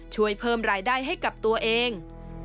ช่วยเพิ่มรายได้ให้กับตัวเอง